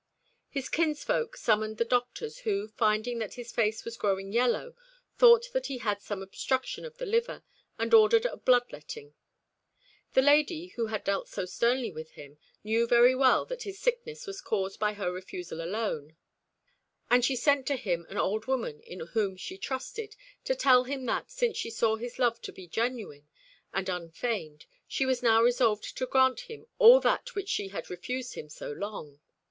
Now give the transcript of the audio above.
His kinsfolk summoned the doctors, who, finding that his face was growing yellow, thought that he had some obstruction of the liver and ordered a blood letting. 1 The incidents here narrated probably occurred in or about 1544. L. 2 "Jehan Piètre" (Pietro) in the MSS. Ed. The lady, who had dealt so sternly with him, knew very well that his sickness was caused by her refusal alone, and she sent to him an old woman in whom she trusted, to tell him that, since she saw his love to be genuine and unfeigned, she was now resolved to grant him all that which she had refused him so long.